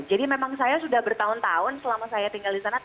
jadi memang saya sudah bertahun tahun selama saya tinggal di sana